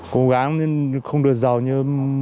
cố gắng không được giàu như